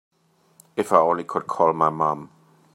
If I only could call my mom.